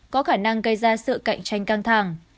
có khả năng gây ra sự cạnh tranh căng thẳng